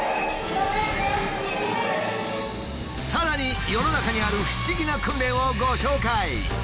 さらに世の中にある不思議な訓練をご紹介。